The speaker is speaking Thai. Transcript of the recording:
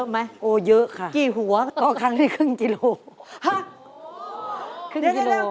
มีอาย